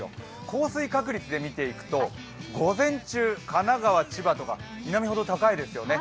降水確率で見ていくと午前中神奈川、千葉とか南ほど高いですよね。